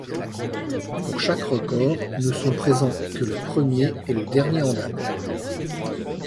Pour chaque record, ne sont présents que le premier et le dernier en date.